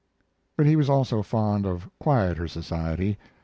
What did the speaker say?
But he was also fond of quieter society.